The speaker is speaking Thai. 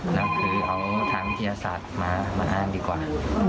แล้วคือเอาทางธินศาสตร์มาอ้างดีกว่า